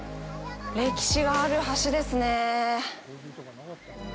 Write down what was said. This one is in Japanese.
歴史がある橋ですねえ。